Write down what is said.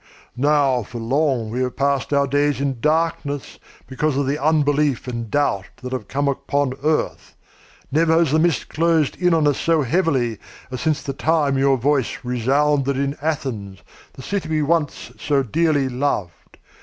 Now, for long we have passed our days in darkness because of the unbelief and doubt that have come upon earth. Never has the mist closed in on us so heavily as since the time your voice resounded in Athens, the city we once so dearly loved.